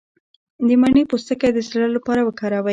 د مڼې پوستکی د زړه لپاره وکاروئ